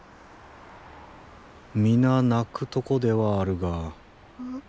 皆泣くとこではあるが。